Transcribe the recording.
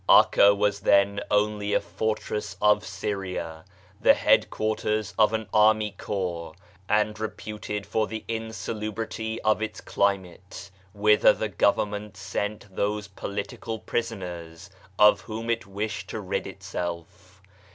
*Akka was then only a fortress of Syria, the headquarters of an army corps, and reputed for the insalubrity of its climate, whither the government sent those politi cal prisoners of whom it wished to rid itself.